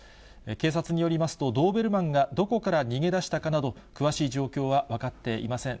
警察によりますと、ドーベルマンがどこから逃げ出したかなど、詳しい状況は分かっていません。